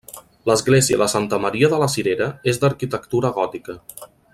L'església de Santa Maria de la Cirera és d'arquitectura gòtica.